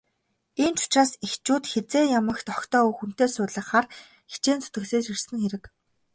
Ийм ч учраас эхчүүд хэзээ ямагт охидоо хүнтэй суулгахаар хичээн зүтгэсээр ирсэн хэрэг.